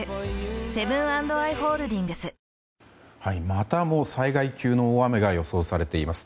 またも災害級の大雨が予想されています。